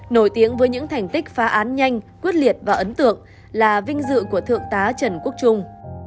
nổi tiếng với những thành tích phá án nhanh quyết liệt và ấn tượng là vinh dự của thượng tá trần quốc trung